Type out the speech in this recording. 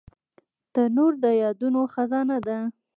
تنور د یادونو خزانه ده